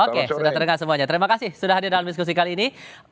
oke sudah terdengar semuanya terima kasih sudah hadir dalam diskusi kali ini